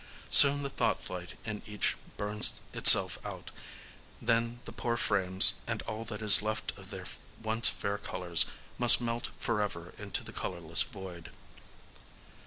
Soon the thought light in each burns itself out: then the poor frames, and all that is left of their once fair colors, must melt forever into the colorless Void.